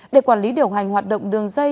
để quản lý điều hành hoạt động đường dây